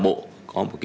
h tota cột